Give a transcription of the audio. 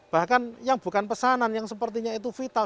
bahkan yang bukan pesanan yang sepertinya itu vital